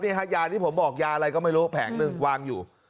ยาที่ผมบอกยาอะไรก็ไม่รู้แผงหนึ่งวางอยู่